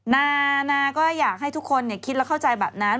นานาก็อยากให้ทุกคนคิดและเข้าใจแบบนั้น